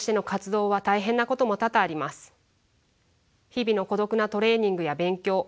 日々の孤独なトレーニングや勉強。